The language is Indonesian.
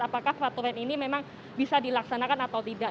apakah peraturan ini memang bisa dilaksanakan atau tidak